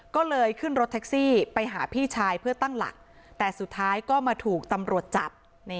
ก็เลยขึ้นรถแท็กซี่ไปหาพี่ชายเพื่อตั้งหลักแต่สุดท้ายก็มาถูกตำรวจจับ